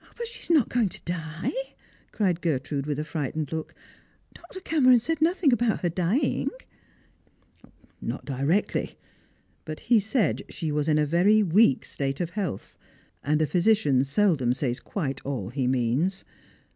But she is not going to die," cried Gertrude, with a fright ened look; " Dr. rv^meron said nothing about her dying." " Not directly ; Uit he said she was in a very weak state ot health, and a physician seldom says quite all he means.